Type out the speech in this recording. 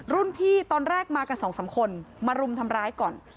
รุ่นพี่ตอนแรกมากันสองสามคนมารุมทำร้ายก่อน